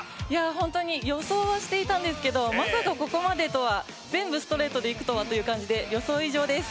本当に予想はしていたんですがまさか、ここまでとは全部ストレートでいくとは予想以上です。